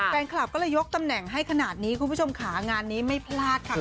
แฟนคลับก็เลยยกตำแหน่งให้ขนาดนี้คุณผู้ชมค่ะงานนี้ไม่พลาดค่ะ